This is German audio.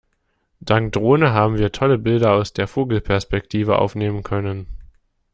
Dank Drohne haben wir tolle Bilder aus der Vogelperspektive aufnehmen können.